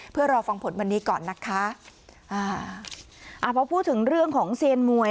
เพื่อรอฟังผลวันนี้ก่อนนะคะอ่าอ่าพอพูดถึงเรื่องของเซียนมวย